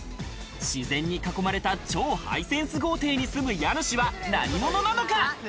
自然に囲まれた超ハイセンス豪邸に住む家主は何者なのか？